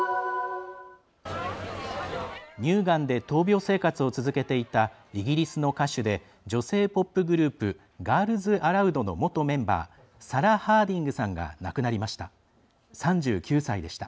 乳がんで闘病生活を続けていたイギリスの歌手で女性ポップグループガールズ・アラウドの元メンバーサラ・ハーディングさんが亡くなりました。